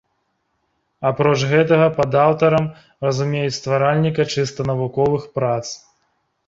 Апроч гэтага, пад аўтарам разумеюць стваральніка чыста навуковых прац.